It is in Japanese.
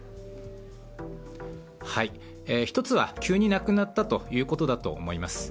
１つは急に亡くなったということだと思います。